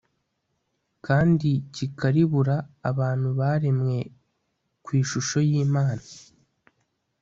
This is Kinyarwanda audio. kandi kikaribura abantu baremwe ku ishusho yImana